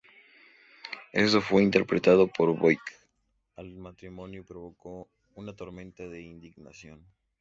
Esto fue interpretado como boicot al matrimonio y provocó una tormenta de indignación.